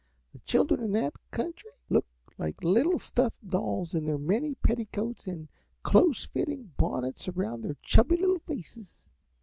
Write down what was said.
The children in that country look like little stuffed dolls in their many petticoats and close fitting bonnets around their chubby little faces.